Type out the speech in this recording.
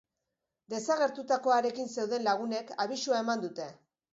Desagertutakoarekin zeuden lagunek abisua eman dute.